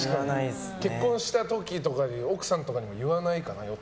結婚した時とか奥さんとかにも言わないか。